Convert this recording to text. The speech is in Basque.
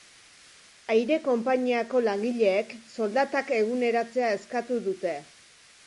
Aire konpainiako langileek soldatak eguneratzea eskatu dute.